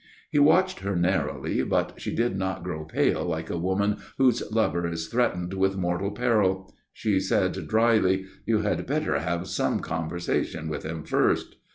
He watched her narrowly, but she did not grow pale like a woman whose lover is threatened with mortal peril. She said dryly: "You had better have some conversation with him first."